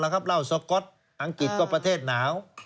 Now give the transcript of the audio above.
อังกฤษก็เป็นประเทศนาว